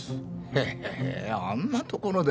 へえあんなところで。